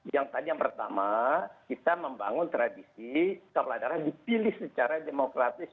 yang tadi yang pertama kita membangun tradisi kepala daerah dipilih secara demokratis